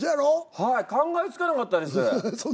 はい考えつかなかったですね。